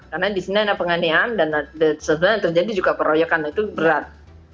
karena di sini ada penganian dan sebenarnya terjadi juga peroyokan itu berat